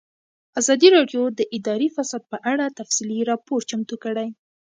ازادي راډیو د اداري فساد په اړه تفصیلي راپور چمتو کړی.